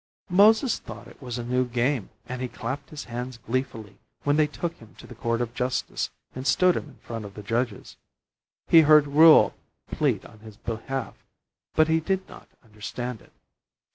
Moses thought it was a new game and he clapped his hands gleefully when they took him to the court of justice and stood him in front of the judges. He heard Reuel plead on his behalf, but he did not understand it.